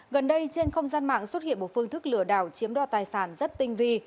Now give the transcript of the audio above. gần đây trên không gian mạng xuất hiện một phương thức lừa đảo chiếm đoạt tài sản rất tinh vi